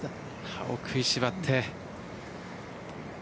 歯を食いしばって。